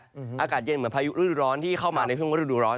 อากาศเย็นเหมือนพายุฤดูร้อนที่เข้ามาในช่วงฤดูร้อน